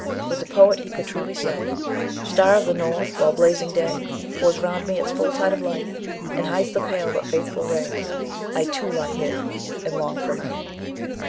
With the poet he could truly say, "Star of the North! while blazing day Pours round me its full tide of light, And hides thy pale but faithful ray, I, too, lie hid, and long for night."